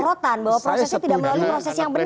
sorotan bahwa prosesnya tidak melalui proses yang benar